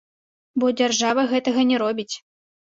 Бо дзяржава гэтага не робіць.